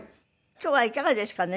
今日はいかがですかね？